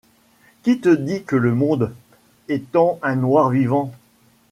Qui te dit que le monde, étant un noir vivant